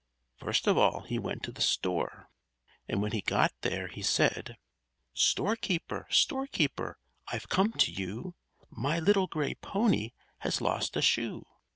First of all he went to the store; and when he got there, he said: "_Storekeeper! Storekeeper! I've come to you; My little gray pony has lost a shoe!